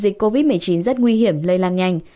dịch covid một mươi chín rất nguy hiểm lây lan nhanh